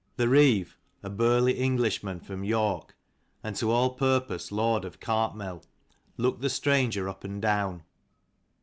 The Reeve, a burly Englishman from York, and to all purpose lord of Cartmel, looked the stranger up and down.